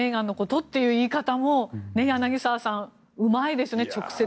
そういう言い方も、柳澤さんうまいですよね。